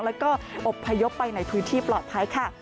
แล้วก็อบพยพไปในพื้นที่ปลอดภัยค่ะ